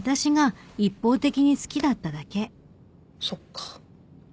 そっか。